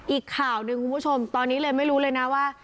อีกข่าวหนึ่งคุณผู้ชมตอนนี้เลยไม่รู้เลยนะว่า